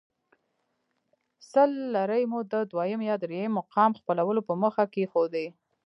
سل لیرې مو د دویم یا درېیم مقام خپلولو په موخه کېښودې.